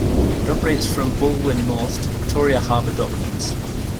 It operates from Balwyn North to Victoria Harbour Docklands.